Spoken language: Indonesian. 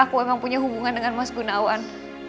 aku emang punya hubungan dengan mas gunawan